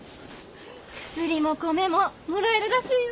薬も米ももらえるらしいよ。